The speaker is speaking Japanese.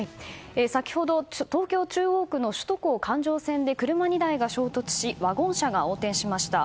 先ほど東京・中央区の首都高環状線で車２台が衝突しワゴン車が横転しました。